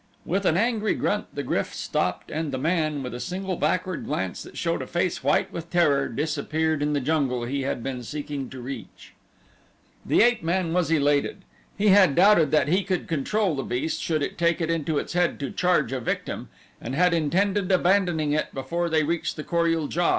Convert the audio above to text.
With an angry grunt the GRYF stopped and the man, with a single backward glance that showed a face white with terror, disappeared in the jungle he had been seeking to reach. The ape man was elated. He had doubted that he could control the beast should it take it into its head to charge a victim and had intended abandoning it before they reached the Kor ul JA.